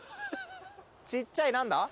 ちっちゃい何だ？